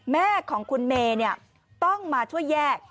แม่ของคุณเมล่าเนี่ยต้องมาช่วยแยก